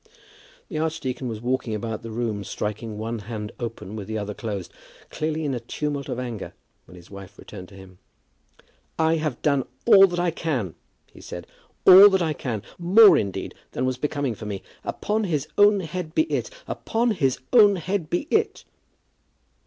The archdeacon was walking about the room striking one hand open with the other closed, clearly in a tumult of anger, when his wife returned to him. "I have done all that I can," he said, "all that I can; more, indeed, than was becoming for me. Upon his own head be it. Upon his own head be it!"